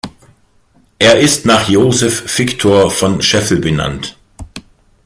Er ist nach Joseph Victor von Scheffel benannt.